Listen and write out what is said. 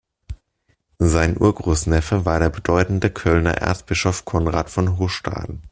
Sein Urgroßneffe war der bedeutende Kölner Erzbischof Konrad von Hochstaden.